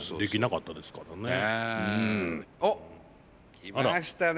来ましたね。